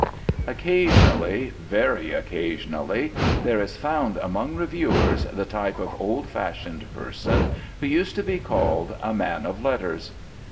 Occasionally, very occasionally, there is found among reviewers the type of old fashioned person who used to be called a "man of letters."